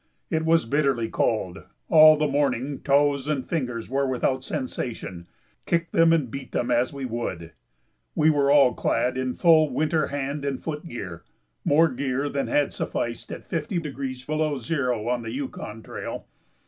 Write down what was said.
It was bitterly cold; all the morning toes and fingers were without sensation, kick them and beat them as we would. We were all clad in full winter hand and foot gear more gear than had sufficed at 50° below zero on the Yukon trail.